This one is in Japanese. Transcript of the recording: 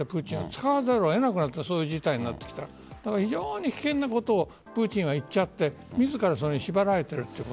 使わざるを得なくなったそういう事態になってきたら非常に危険なことをプーチンは言っちゃって自ら縛られていると。